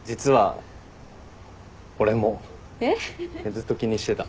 ずっと気にしてた。